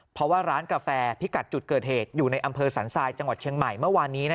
เพราะว่าร้านกาแฟพิกัดจุดเกิดเหตุอยู่ในอำเภอสันทรายจังหวัดเชียงใหม่เมื่อวานนี้